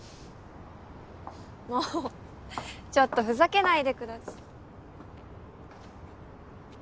もうちょっとふざけないでくださ。